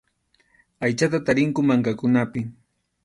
Aychata tarinku mankakunapi.